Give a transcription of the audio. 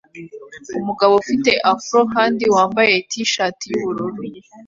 Umugabo ufite afro kandi wambaye t-shati yubururu